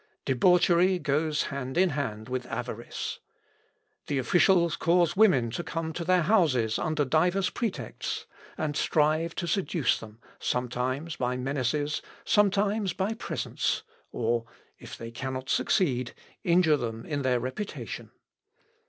Debauchery goes hand in hand with avarice. The officials cause women to come to their houses under divers pretexts, and strive to seduce them, sometimes by menaces, sometimes by presents; or, if they cannot succeed, injure them in their reputation.